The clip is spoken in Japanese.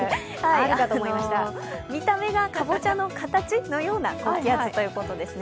見た目がかぼちゃの形のような高気圧ということですね。